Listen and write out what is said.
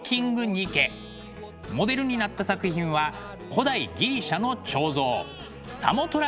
ニケ」モデルになった作品は古代ギリシャの彫像